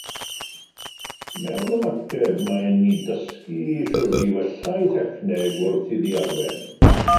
Mewn ymateb, mae'n ei dysgu sut i wella ei thechneg wrth iddi arwain.